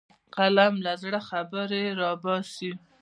قلم له زړه خبرې راوباسي